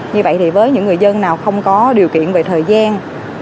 như vậy thì với những người dân nào không có điều kiện về thời gian